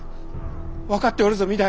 分かっておるぞ御台！